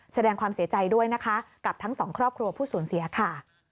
แสดงความเสียใจด้วยนะคะกับทั้งสองครอบครัวผู้สูญเสียค่ะ